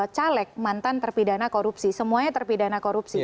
caleg mantan terpidana korupsi semuanya terpidana korupsi